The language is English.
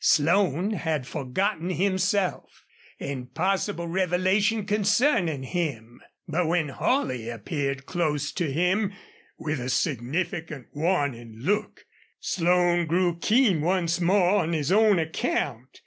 Slone had forgotten himself and possible revelation concerning him. But when Holley appeared close to him with a significant warning look, Slone grew keen once more on his own account.